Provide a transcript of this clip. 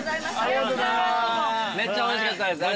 めっちゃおいしかったです。